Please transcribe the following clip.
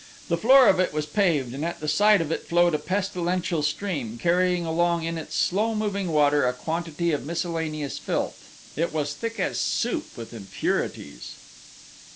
The floor of it was paved, and at the side of it flowed a pestilential stream, carrying along in its slow moving water a quantity of miscellaneous filth: it was thick as soup with impurities.